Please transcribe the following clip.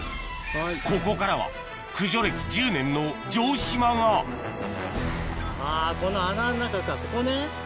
ここからは駆除歴１０年の城島があこの穴ん中かここね。